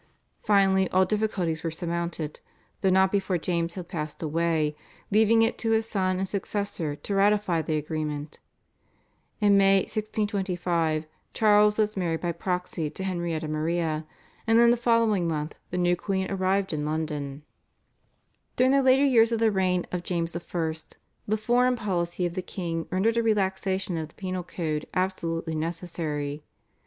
Finally all difficulties were surmounted, though not before James had passed away leaving it to his son and successor to ratify the agreement. In May 1625, Charles was married by proxy to Henrietta Maria, and in the following month the new queen arrived in London. During the later years of the reign of James I. the foreign policy of the king rendered a relaxation of the penal code absolutely necessary.